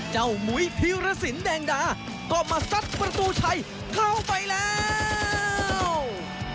หมุยพิรสินแดงดาก็มาซัดประตูชัยเข้าไปแล้ว